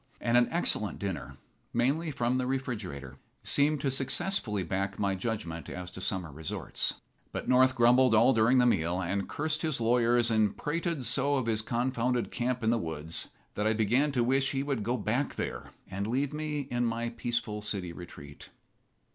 And an excellent dinner, mainly from the refrigerator, seemed to successfully back my judgment as to summer resorts. But North grumbled all during the meal, and cursed his lawyers and prated so of his confounded camp in the woods that I began to wish he would go back there and leave me in my peaceful city retreat.